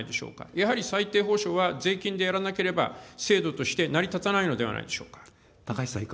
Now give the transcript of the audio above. やはり最低保障は税金でやらなければ、制度として成り立たないのではないでしょうか。